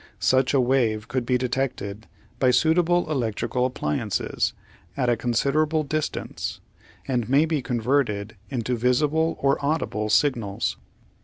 Such a wave could be detected, by suitable electrical appliances, at a considerable dis Applied Science 831 tance, and may be converted into visible or audible signals.